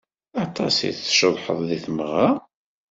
Aṭas i tceḍḥeḍ di tmeɣra?